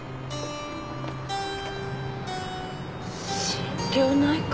心療内科。